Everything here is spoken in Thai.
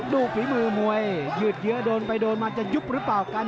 ฝีมือมวยยืดเยอะโดนไปโดนมาจะยุบหรือเปล่ากัน